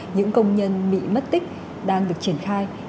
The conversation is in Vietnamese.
những công nhân bị mất tích đang được triển khai